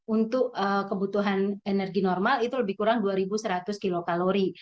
untuk kebutuhan energi normal itu lebih kurang dua seratus kilokalori